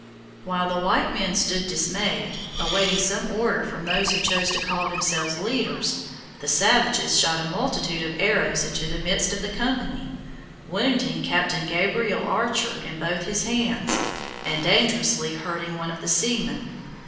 While the white men stood dismayed, awaiting some order from those who chose to call themselves leaders, the savages shot a multitude of arrows into the midst of the company, wounding Captain Gabriel Archer in both his hands, and dangerously hurting one of the seamen.